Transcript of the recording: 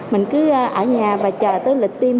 mình cứ ở nhà và chờ tới lịch tiêm